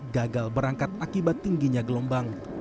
gagal berangkat akibat tingginya gelombang